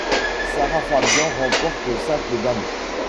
Sarah Fabyan remporte le simple dames.